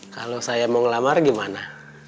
kalau saya mau ngelamar gimana